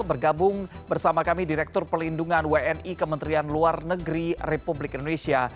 bergabung bersama kami direktur pelindungan wni kementerian luar negeri republik indonesia